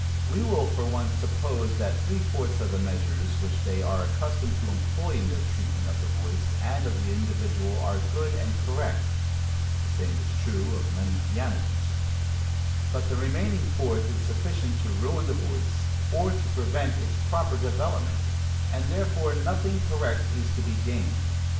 We will, for once, suppose that three fourths of the measures which they are accustomed to employ in their treatment of the voice and of the individual are good and correct (the same is true of many piano teachers); but the remaining fourth is sufficient to ruin the voice, or to prevent its proper development, and therefore nothing correct is to be gained.